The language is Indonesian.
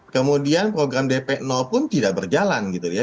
kemudian program dp pun tidak berjalan gitu ya